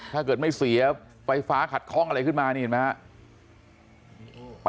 ถ้าเกิดไม่เสียไฟฟ้าขัดข้องอะไรขึ้นมานี่เห็นไหมครับ